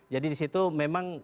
jadi disitu memang